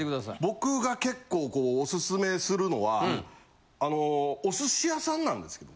僕が結構オススメするのはお寿司屋さんなんですけど。